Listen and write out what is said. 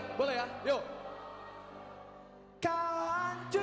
sekali lagi ya tapi lebih pakai emosinya ya